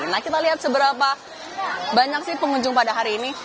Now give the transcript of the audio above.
nah kita lihat seberapa banyak sih pengunjung pada hari ini